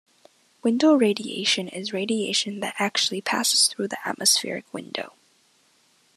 Window radiation is radiation that actually passes through the atmospheric window.